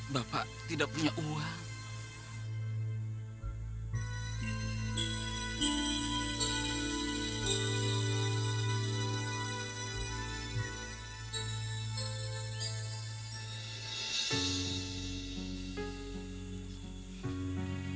bapak tidak punya uang